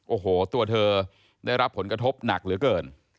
โอ้โหตัวเธอได้รับผลกระทบหนักเหลือเกิน